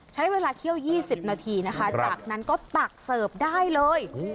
ใช้เวลาเคี่ยว๒๐นาทีนะคะจากนั้นก็ตักเสิร์ฟได้เลย